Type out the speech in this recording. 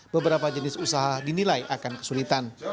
beberapa jenis usaha dinilai akan kesulitan